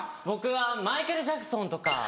僕はマイケル・ジャクソンとか。